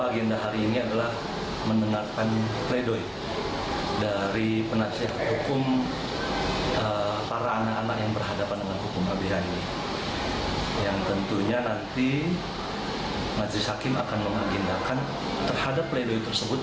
jadi majelis hakim akan mengagendakan terhadap pleidoy tersebut